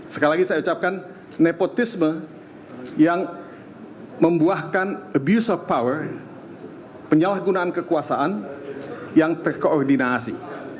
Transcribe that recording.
sekali lagi saya ucapkan nepotisme yang membuahkan abuse of power penyalahgunaan kekuasaan yang terkoordinasi